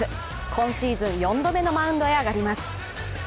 今シーズン４度目のマウンドへ上がります。